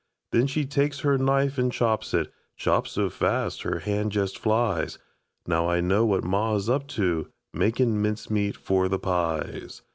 Then she takes her knife an' chops it, Chops so fast her hand jest flies. Now I know what ma is up to Makin' mincemeat for the pies.